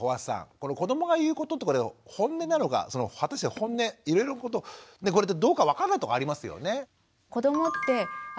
この子どもが言うことってホンネなのか果たしてホンネこれってどうか分かんないとこありますよね？